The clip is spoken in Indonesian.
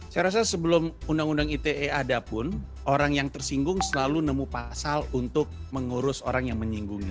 saya rasa sebelum undang undang ite ada pun orang yang tersinggung selalu nemu pasal untuk mengurus orang yang menyinggungnya